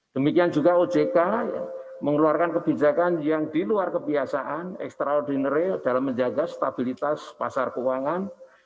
demikian juga ojk mengeluarkan kebijakan yang di luar kebiasaan extraordinari dalam menjaga stabilitas pasar keuangan